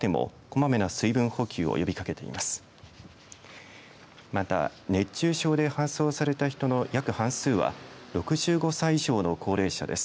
また、熱中症で搬送された人の約半数は６５歳以上の高齢者です。